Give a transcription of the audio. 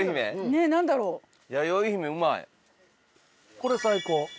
これ最高。